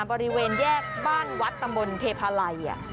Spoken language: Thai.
บริเวณแยกบ้านวัดตำบลเทพาลัย